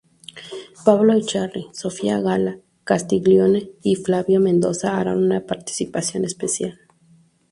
Pablo Echarri, Sofia Gala Castiglione y Flavio Mendoza harán una participación especial.